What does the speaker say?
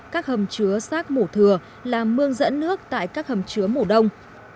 các hầm chứa sát mổ thừa là mương dẫn nước tại các hầm chứa mổ đông